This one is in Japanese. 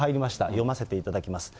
読ませていただきます。